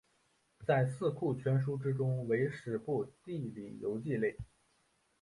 在四库全书之中为史部地理游记类。